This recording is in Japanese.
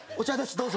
どうぞ。